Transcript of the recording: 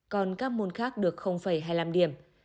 còn các môn khác được hai mươi năm điểm